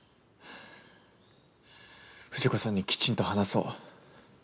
藤子さんにきちんと話そう。